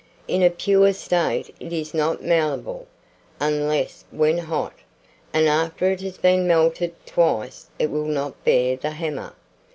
In a pure state it is not malleable, unless when hot, and after it has been melted twice it will not bear the hammer.